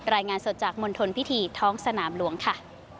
รายงานสดจากมณฑลพิธีท้องสนามหลวงค่ะ